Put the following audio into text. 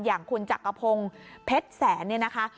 อย่างคุณจักปงเผ็ดแสนนะคะ